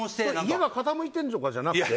家が傾いているとかじゃなくて？